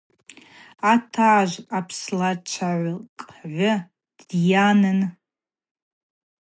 Атажв апслачвакӏгӏвы дйанын.